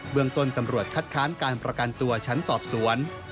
เมืองต้นตำรวจคัดค้านการประกันตัวชั้นสอบสวน